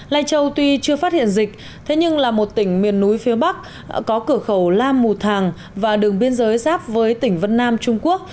lai châu tuy chưa phát hiện dịch thế nhưng là một tỉnh miền núi phía bắc có cửa khẩu la mù thàng và đường biên giới giáp với tỉnh vân nam trung quốc